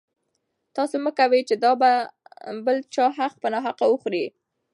تاسو مه کوئ چې د بل چا حق په ناحقه وخورئ.